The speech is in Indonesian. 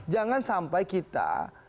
jangan sampai kita